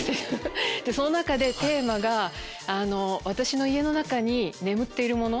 その中でテーマが私の家の中に眠っているもの。